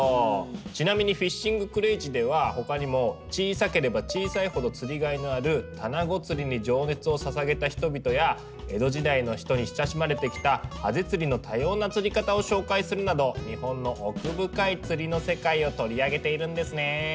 ちなみに「ＦＩＳＨＩＮＧＣＲＡＺＹ」では他にも小さければ小さいほど釣りがいのある「タナゴ釣り」に情熱をささげた人々や江戸時代の人に親しまれてきた「ハゼ釣り」の多様な釣り方を紹介するなど日本の奥深い釣りの世界を取り上げているんですね。